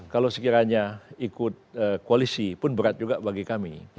kalau sekiranya ikut koalisi pun berat juga bagi kami